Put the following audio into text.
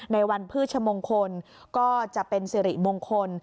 ในวันพืชมงคลก็จะเป็นสิริมงคล